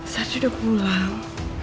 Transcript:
sardi udah pulang